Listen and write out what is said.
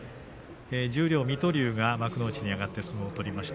十両の水戸龍が幕内に上がって相撲を取りました。